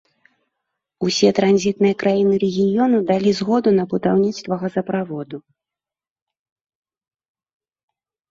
Усе транзітныя краіны рэгіёну далі згоду на будаўніцтва газаправоду.